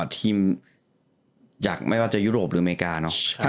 ทีมจากไม่ว่าจะยุโรปหรืออเมริกาเนอะ